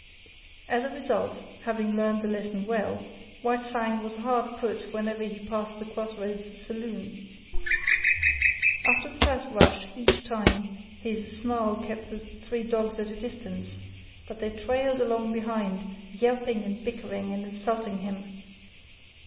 As a result, having learned the lesson well, White Fang was hard put whenever he passed the cross roads saloon. After the first rush, each time, his snarl kept the three dogs at a distance but they trailed along behind, yelping and bickering and insulting him.